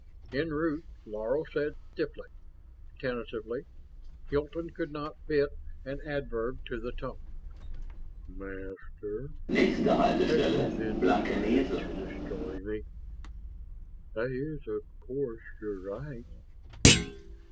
En route, Laro said stiffly? Tentatively? Hilton could not fit an adverb to the tone "Master, have you then decided to destroy me? That is of course your right."